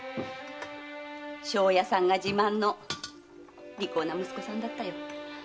庄屋さんが自慢の利口な息子さんだったよ。